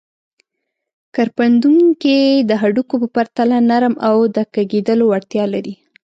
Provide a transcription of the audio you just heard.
کرپندوکي د هډوکو په پرتله نرم او د کږېدلو وړتیا لري.